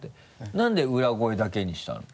なんで裏声だけにしたの？